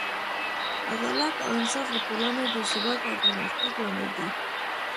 عدالت او انصاف د ټولنې د ثبات او پرمختګ لامل دی.